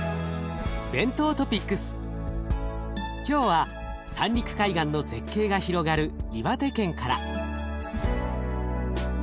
今日は三陸海岸の絶景が広がる岩手県から。